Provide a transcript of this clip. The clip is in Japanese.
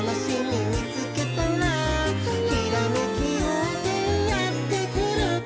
「ひらめきようせいやってくる」